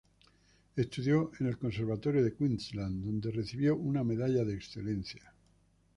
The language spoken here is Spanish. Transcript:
Estudió en el conservatorio de Queensland donde recibió una Medalla de Excelencia.